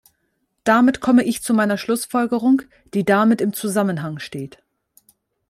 Damit komme ich zu meiner Schlussfolgerung, die damit im Zusammenhang steht.